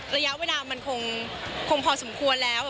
ระยะเวลามันคงพอสมควรแล้ว